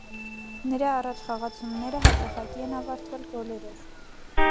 Նրա առաջխաղացումները հաճախակի են ավարտվել գոլերով։